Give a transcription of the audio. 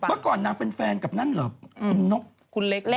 เมื่อก่อนน้ำเป็นแฟนกับนั่นหรือ